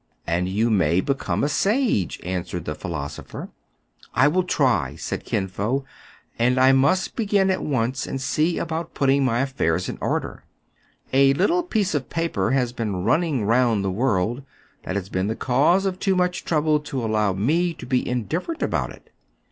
" And you may become a sage, answered the philosopher. " I will try, said Kin Fo ; "and I must begin at once, and see about putting my affairs in order. A little piece of paper has been running round the world that has been the cause of too much trouble to allow me to be indifferent about it.